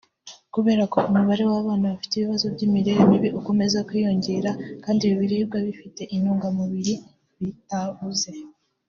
Kubera ko umubare w’abana bafite ibibazo by’imirire mibi ukomeza kwiyongera kandi ibiribwa bifite intungamubiri bitabuze